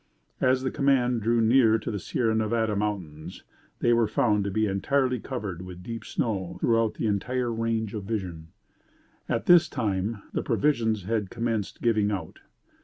As the command drew near to the Sierra Nevada Mountains, they were found to be entirely covered with deep snow throughout the entire range of vision. At this time the provisions had commenced giving out.